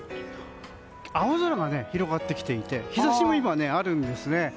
青空が広がってきていて日差しも今、あるんですね。